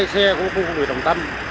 hai xe của khu vực đồng tâm